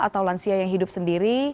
atau lansia yang hidup sendiri